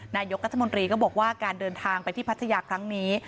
นายกรัฐมนตรีก็บอกว่าการเดินทางไปที่พัทยาครั้งนี้